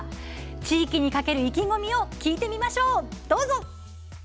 地域にかける意気込みを聞いてみましょう。